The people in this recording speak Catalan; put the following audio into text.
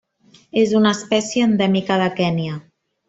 És una espècie endèmica de Kenya.